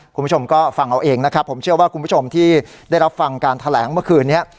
คุณผู้ชมก็ฟังเอาเองนะครับผมเชื่อว่าคุณผู้ชมที่ได้รับฟังการแถลงเมื่อคืนนี้